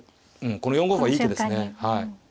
この４五歩はいい手ですね。